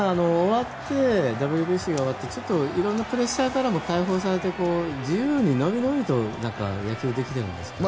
ＷＢＣが終わってちょっと色んなプレッシャーからも解放されて自由にのびのびと野球をできてるんですね。